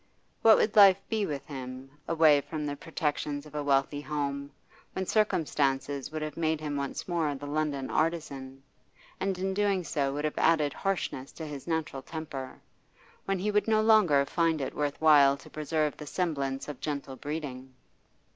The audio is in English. What would life be with him, away from the protections of a wealthy home, when circumstances would have made him once more the London artisan, and in doing so would have added harshness to his natural temper; when he would no longer find it worth while to preserve the semblance of gentle breeding?